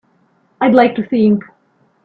I'd like to think.